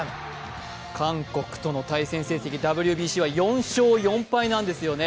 韓国との対戦成績、ＷＢＣは４勝４敗なんですよね。